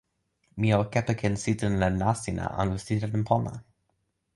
mi o kepeken sitelen Lasina anu sitelen pona?